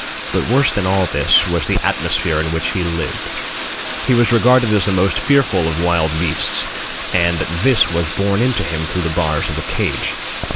But worse than all this, was the atmosphere in which he lived. He was regarded as the most fearful of wild beasts, and this was borne in to him through the bars of the cage.